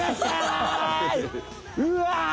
うわ！